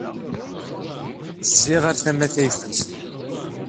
Zziɣ ar tama tayeffust.